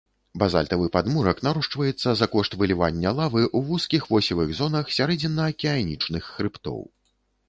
Базальтавы падмурак нарошчваецца за кошт вылівання лавы ў вузкіх восевых зонах сярэдзінна-акіянічных хрыбтоў.